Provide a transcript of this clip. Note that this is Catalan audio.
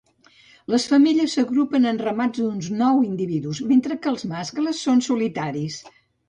Les femelles s'agrupen en ramats d'uns nou individus, mentre que els mascles són solitaris.